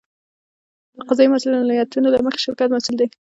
د قضایي مسوولیتونو له مخې شرکت مسوول دی.